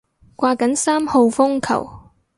掛緊三號風球